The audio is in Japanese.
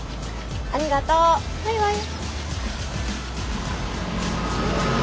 ありがとバイバイ。